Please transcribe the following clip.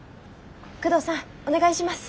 久遠さんお願いします。